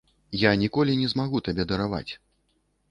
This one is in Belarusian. Я ніколі не змагу табе дараваць.